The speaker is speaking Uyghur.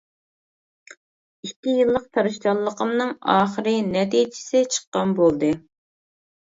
ئىككى يىللىق تىرىشچانلىقىمنىڭ ئاخىرى نەتىجىسى چىققان بولدى.